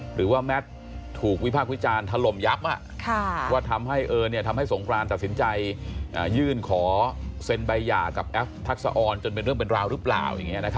แมทถูกวิพากษ์วิจารณ์ถล่มยับว่าทำให้สงครานตัดสินใจยื่นขอเซ็นใบหย่ากับแอฟทักษะออนจนเป็นเรื่องเป็นราวหรือเปล่า